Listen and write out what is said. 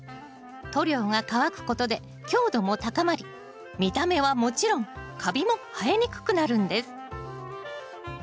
塗料が乾くことで強度も高まり見た目はもちろんカビも生えにくくなるんです。